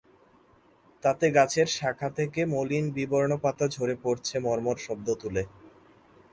তাতে গাছের শাখা থেকে মলিন বিবর্ণ পাতা ঝরে পড়ছে মর্মর শব্দ তুলে।